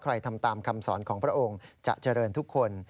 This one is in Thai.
ทำตามคำสอนของพระองค์จะเจริญทุกคน